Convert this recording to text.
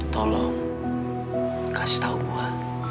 tolong kasih tau gua